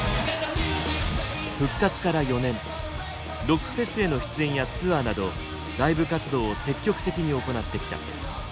ロックフェスへの出演やツアーなどライブ活動を積極的に行ってきた。